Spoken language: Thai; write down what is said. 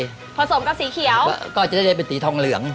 ผสมกับสีเขียวก็จะได้เป็นสีทองเหลือง